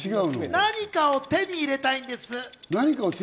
何かを手に入れたいんです。